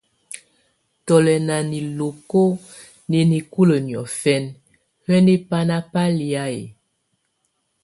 Tù lɛ̀ nà niloko nɛ̀ nikulǝ́ niɔ̀fɛna, hǝ́niǝ banà ba lɛ̀á?